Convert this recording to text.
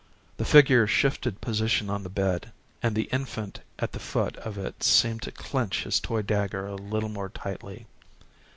The figure shifted position on the bed and the infant at the foot of it seemed to clench his toy dagger a little more tightly.